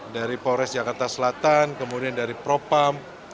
dari polres jakarta selatan kemudian dari propam